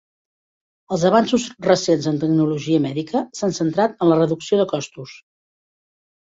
Els avanços recents en tecnologia mèdica s"han centrat en la reducció de costos.